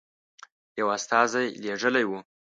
یو استازی لېږلی وو.